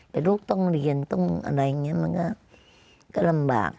แต่ลูกต้องเรียนต้องอะไรอย่างนี้มันก็ลำบาก